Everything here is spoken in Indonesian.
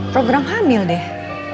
program hamil deh